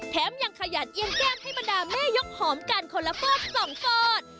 แถมยังขยันเอี่ยงแก้มให้บรรดาแม่ยกหอมกันคนละฟอด๒ฟอด